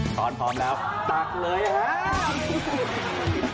ซ้อนพร้อมแล้วตัดเลยครับครับ